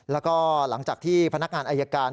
แล้วก็หลังจากที่พนักงานอายการ